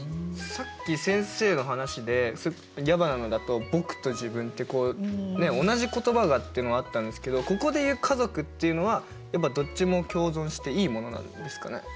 さっき先生の話で矢花のだと「僕」と「自分」って同じ言葉がっていうのがあったんですけどここでいう「家族」っていうのはどっちも共存していいものなんですかね。